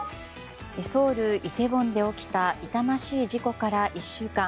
ソウル・イテウォンで起きた痛ましい事故から１週間。